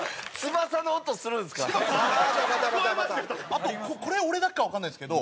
あとこれ俺だけかわからないんですけど。